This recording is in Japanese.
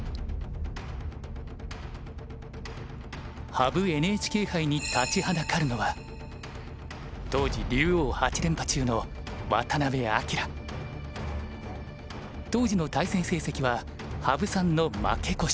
羽生ＮＨＫ杯に立ちはだかるのは当時の対戦成績は羽生さんの負け越し。